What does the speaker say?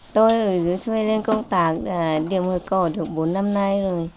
tôi ở dưới xuôi lên công tác điểm hồi cọ được bốn năm nay rồi